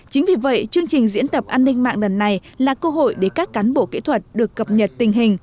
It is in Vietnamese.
chính vì vậy chương trình diễn tập an ninh mạng lần này là cơ hội để các cán bộ kỹ thuật được cập nhật tình hình